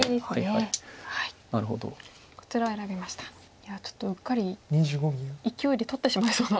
いやちょっとうっかりいきおいで取ってしまいそうな。